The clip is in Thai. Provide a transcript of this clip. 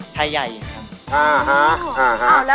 ไทยใหญ่ครับ